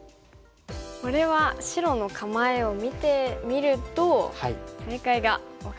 これは白の構えを見てみると正解が分かりそうですね。